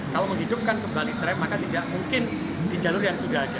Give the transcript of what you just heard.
kalau menghidupkan kembali tram maka tidak mungkin di jalur yang sudah ada